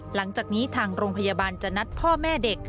หลังจากนี้ทางโรงพยาบาลจะนัดพ่อแม่เด็ก